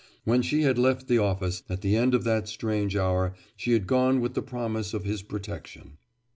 When she had left the office, at the end of that strange hour, she had gone with the promise of his protection.